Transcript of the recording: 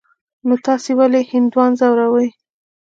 نو تاسې ولي هندوان ځوروئ.